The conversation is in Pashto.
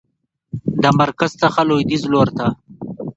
د مرکز څخه لویدیځ لورته